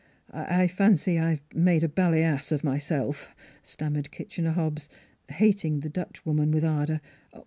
" I fancy I've made a bally ass of myself," stammered Kitchener Hobbs, hating the Dutch woman with ardor.